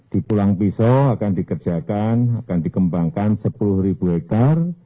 di pulang pisau akan dikerjakan akan dikembangkan sepuluh ribu hektare